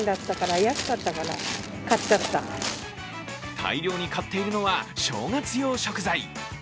大量に買っているのは、正月用食材。